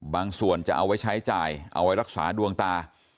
ส่วนจะเอาไว้ใช้จ่ายเอาไว้รักษาดวงตา